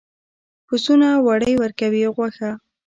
پسونه وړۍ ورکوي او غوښه.